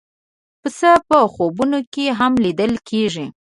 پسه په خوبونو کې هم لیدل کېږي.